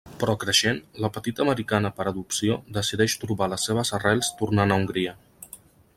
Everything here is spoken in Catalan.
Però creixent, la petita americana per adopció decideix trobar les seves arrels tornant a Hongria.